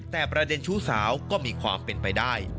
แต่ประเด็นชู้สาวก็มีความเป็นไปได้